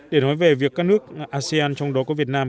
để nói về việc các nước asean trong đó có việt nam